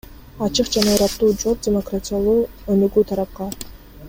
Ачык жана ыраттуу жооп – демократиялуу өнүгүү тарапка.